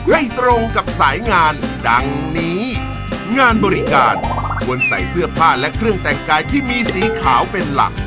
ให้ตรงกับสายงานดังนี้งานบริการควรใส่เสื้อผ้าและเครื่องแต่งกายที่มีสีขาวเป็นหลัก